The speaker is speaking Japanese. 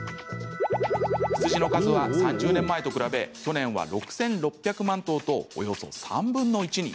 羊の数は３０年前と比べ去年は６６００万頭とおよそ３分の１に。